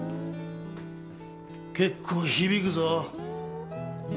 結構響くぞ。